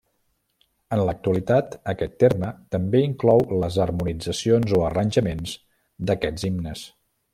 En l'actualitat, aquest terme també inclou les harmonitzacions o arranjaments d'aquests himnes.